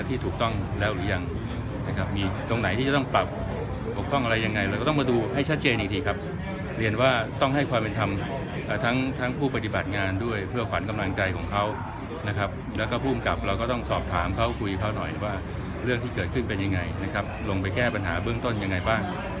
ที่ถูกต้องแล้วหรือยังนะครับมีตรงไหนที่จะต้องปรับปกป้องอะไรยังไงเราก็ต้องมาดูให้ชัดเจนอีกทีครับเรียนว่าต้องให้ความเป็นธรรมทั้งทั้งผู้ปฏิบัติงานด้วยเพื่อขวัญกำลังใจของเขานะครับแล้วก็ภูมิกับเราก็ต้องสอบถามเขาคุยเขาหน่อยว่าเรื่องที่เกิดขึ้นเป็นยังไงนะครับลงไปแก้ปัญหาเบื้องต้นยังไงบ้าง